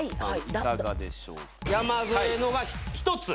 いかがでしょう？